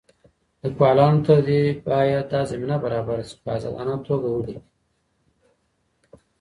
ليکوالانو ته بايد دا زمينه برابره سي چي په ازادانه توګه وليکي.